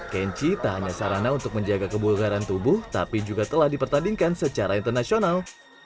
kency tak hanya sarana untuk menjaga kebugaran tubuh tapi juga telah dipertandingkan secara internasional